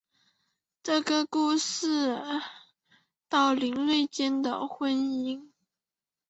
这个故事关系到林瑞间的婚姻。